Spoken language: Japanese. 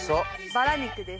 バラ肉です。